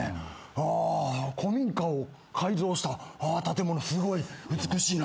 あ古民家を改造した建物すごい美しいな。